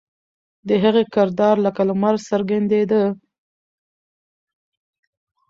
د هغې کردار لکه لمر څرګندېده.